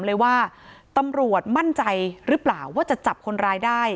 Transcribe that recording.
เลยว่าตำรวจมั่นใจหรือเปล่าว่าจะจับคนร้ายได้